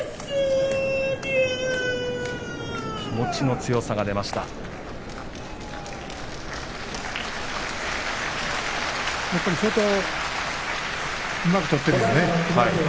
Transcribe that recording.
気持ちの強さが出ました、豊昇龍。